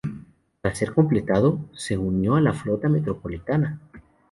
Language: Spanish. Tras ser completado, se unió a la flota metropolitana.